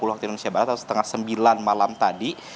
waktu indonesia barat atau setengah sembilan malam tadi